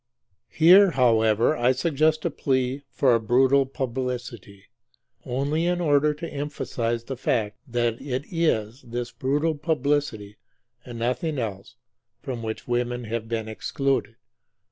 Here, however, I suggest a plea for a brutal publicity only in order to emphasize the fact that it is this brutal publicity and nothing else from which women have been excluded.